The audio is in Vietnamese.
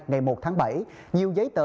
ngày một tháng bảy nhiều giấy tờ